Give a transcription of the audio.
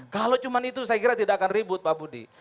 kalau cuma itu saya kira tidak akan ribut pak budi